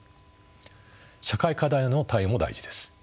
社会課題への対応も大事です。